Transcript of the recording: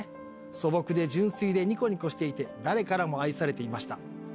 素朴で純粋でにこにこしていて、誰からも愛されていました。